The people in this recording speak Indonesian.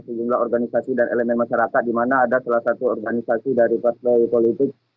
sejumlah organisasi dan elemen masyarakat di mana ada salah satu organisasi dari partai politik